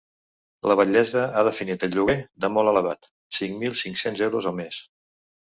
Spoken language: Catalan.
La batllessa ha definit el lloguer de ‘molt elevat’: cinc mil cinc-cents euros al mes.